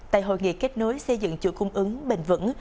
tại hội nghị kết nối xây dựng chuỗi cung ứng bền vững